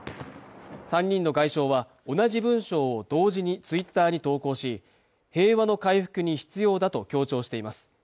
３人の外相は、同じ文章を同時にＴｗｉｔｔｅｒに投稿し平和の回復に必要だと強調しています。